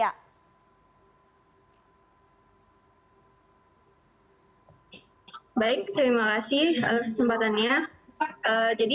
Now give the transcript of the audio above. apa yang terjadi